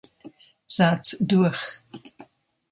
Satz durch.